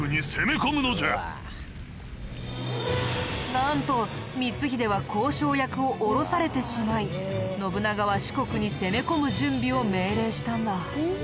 なんと光秀は交渉役を降ろされてしまい信長は四国に攻め込む準備を命令したんだ。